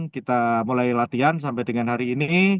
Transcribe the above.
kita mulai latihan sampai dengan hari ini